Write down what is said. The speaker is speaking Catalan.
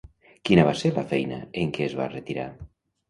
Quina va ser la feina en què es va retirar?